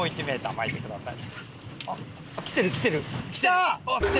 巻いてください。